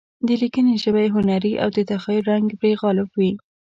د لیکنې ژبه یې هنري او د تخیل رنګ پرې غالب وي.